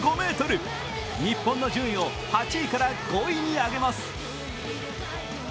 日本の順位を８位から５位に上げます。